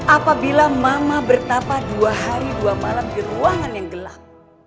apabila mama bertapa dua hari dua malam di ruangan yang gelap